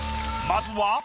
まずは。